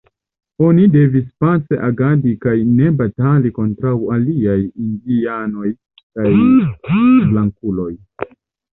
Oni devis pace agadi kaj ne batali kontraŭ aliaj indianoj kaj blankuloj.